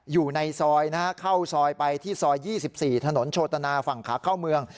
อยู่ในซอยนะฮะเข้าซอยไปที่ซอย๒๔ถนนโชตนาฝั่งขาเข้าเมือง